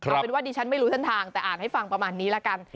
เอาเป็นว่าดิฉันไม่รู้เส้นทางแต่อ่านให้ฟังประมาณนี้ละกัน